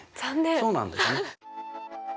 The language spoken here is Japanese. そうなんですね。